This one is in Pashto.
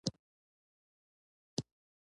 یو زمری او یو پړانګ جنګیدل.